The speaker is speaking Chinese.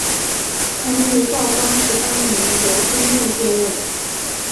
曾于道光十八年由中佑接任。